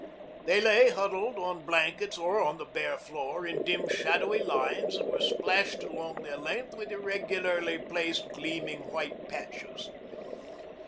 They lay huddled on blankets or on the bare floor in dim shadowy lines that were splashed along their length with irregularly placed gleaming white patches.